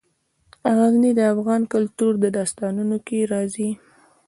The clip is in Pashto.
غزني د افغان کلتور په داستانونو کې راځي.